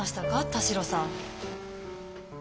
田代さん。